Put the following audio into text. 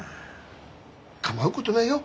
構うことないよ。